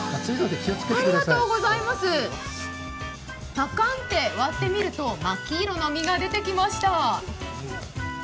パカンと割ってみると、真っ黄色の実が出てきました。